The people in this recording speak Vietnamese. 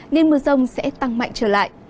nên mưa rồng sẽ tăng mạnh trở lại